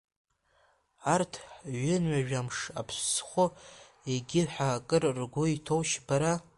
Арҭ ҩынҩажәамш, аԥсхәы егьи ҳәа акыр ргәы иҭоушь бара?